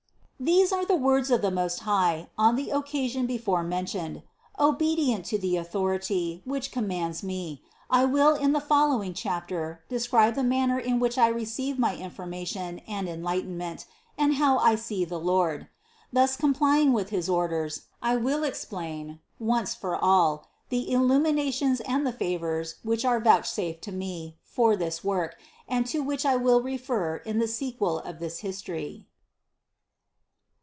11. These are the words of the Most High on the oc casion before mentioned. Obedient to the authority, which commands me, I will in the following chapter de scribe the manner in which I receive my information and enlightenment, and how I see the Lord. Thus comply ing with his orders, I will explain, once for all, the illu minations and the favors which are vouchsafed to me for this work and to which I will refer in the sequel of this history.